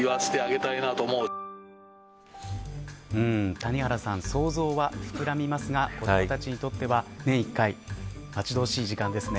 谷原さん、想像は膨らみますが子どもたちにとっては年１回待ち遠しい時間ですね。